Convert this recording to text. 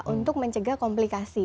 untuk mencegah komplikasi